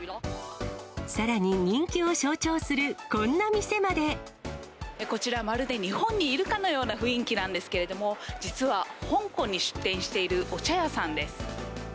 さらに人気を象徴する、こちら、まるで日本にいるかのような雰囲気なんですけれども、実は香港に出店しているお茶屋さんです。